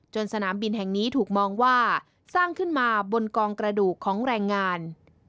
สนามบินแห่งนี้ถูกมองว่าสร้างขึ้นมาบนกองกระดูกของแรงงาน